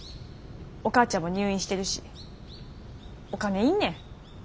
お母ちゃんも入院してるしお金要んねん。